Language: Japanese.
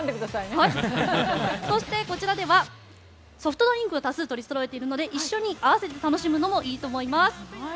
そして、こちらではソフトドリンクも多数取りそろえているので一緒に併せて楽しむのもいいと思います。